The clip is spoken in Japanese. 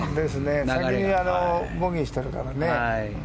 先にボギーしてるからね。